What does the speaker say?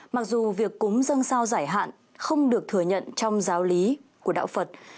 mặc dù việc cúng dân sao giải hạn không được thừa nhận trong giáo lý của đạo phật